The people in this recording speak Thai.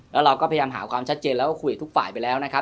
แล้วเราก็พยายามหาความชัดเจนแล้วก็คุยกับทุกฝ่ายไปแล้วนะครับ